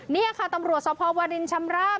นี่ค่ะตำรวจสภวรินชำราบ